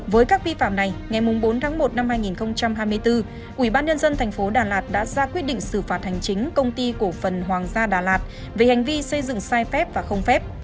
với các vi phạm này ngày bốn tháng một năm hai nghìn hai mươi bốn ubnd tp đà lạt đã ra quyết định xử phạt hành chính công ty cổ phần hoàng gia đà lạt về hành vi xây dựng sai phép và không phép